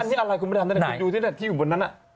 อันนี้อะไรคุณไปทำดูที่อยู่บนนั้น